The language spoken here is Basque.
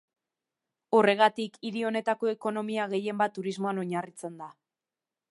Horregatik, hiri honetako ekonomia gehienbat turismoan oinarritzen da.